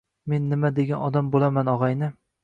Men nima degan odam bo‘laman, og‘ayni.